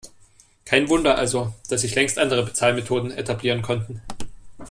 Kein Wunder also, dass sich längst andere Bezahlmethoden etablieren konnten.